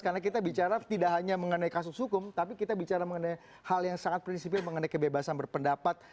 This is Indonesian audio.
karena kita bicara tidak hanya mengenai kasus hukum tapi kita bicara mengenai hal yang sangat prinsipil mengenai kebebasan berpendapat